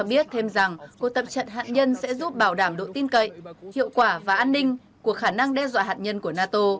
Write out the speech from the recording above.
ông biết thêm rằng cuộc tập trận hạt nhân sẽ giúp bảo đảm độ tin cậy hiệu quả và an ninh của khả năng đe dọa hạt nhân của nato